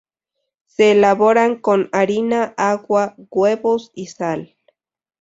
Se elaboran con harina, agua, huevos y sal.